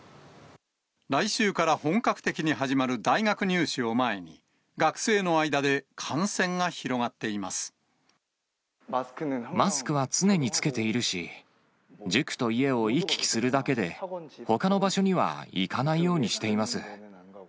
来週から本格的に始まる大学入試を前に、学生の間で感染が広がっマスクは常に着けているし、塾と家を行き来するだけで、ほかの場所には行かないようにしています。